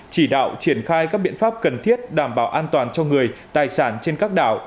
chỉ đạo triển khai các biện pháp cần thiết đảm bảo an toàn cho người tài sản trên các đảo